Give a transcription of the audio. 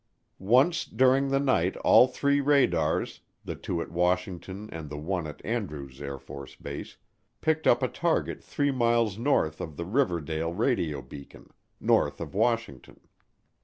Once during the night all three radars, the two at Washington and the one at Andrews AFB, picked up a target three miles north of the Riverdale Radio beacon, north of Washington.